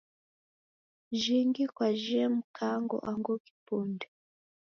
Jhingi kwajhie Mkango angu kipunde?.